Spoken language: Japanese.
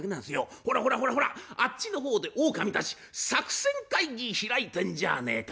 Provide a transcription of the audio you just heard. ほらほらほらほらあっちの方で狼たち作戦会議開いてんじゃねえか」。